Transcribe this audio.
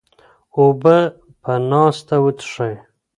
اوبه په ناسته وڅښئ.